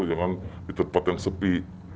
jangan di tempat yang sepi